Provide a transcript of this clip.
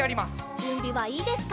じゅんびはいいですか？